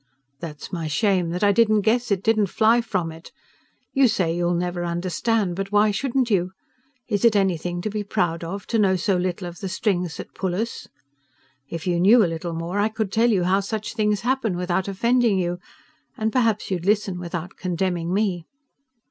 "There's my shame! That I didn't guess it, didn't fly from it. You say you'll never understand: but why shouldn't you? Is it anything to be proud of, to know so little of the strings that pull us? If you knew a little more, I could tell you how such things happen without offending you; and perhaps you'd listen without condemning me."